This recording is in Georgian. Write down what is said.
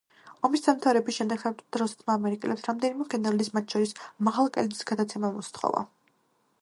ომის დამთავრების შემდეგ საბჭოთა რუსეთმა ამერიკელებს რამდენიმე გენერლის, მათ შორის მაღლაკელიძის, გადაცემა მოსთხოვა.